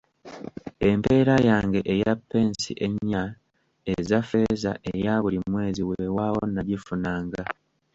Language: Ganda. Empeera yange eya pensi ennya eza ffeeza eya buli mwezi weewaawo nagifunanga.